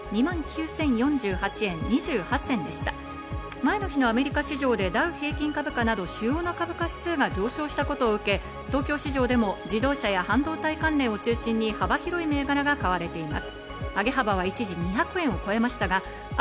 前の日のアメリカ市場でダウ平均株価など主要な株価指数が上昇したことを受け、東京市場でも自動車や半導体関連を中心に幅広い銘柄が買われています。